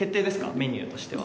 メニューとしては。